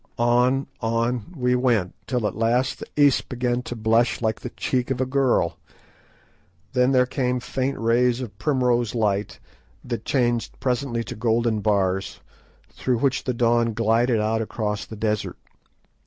On, on we went, till at last the east began to blush like the cheek of a girl. Then there came faint rays of primrose light, that changed presently to golden bars, through which the dawn glided out across the desert.